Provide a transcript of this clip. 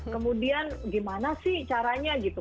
kemudian gimana sih caranya gitu